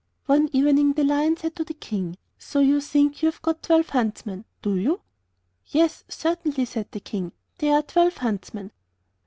One evening the Lion said to the King: 'So you think you have got twelve huntsmen, do you?' 'Yes, certainly,' said the King, 'they are twelve huntsmen.